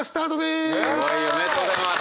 おめでとうございます！